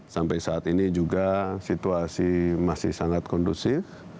sampai saat ini juga situasi masih sangat kondusif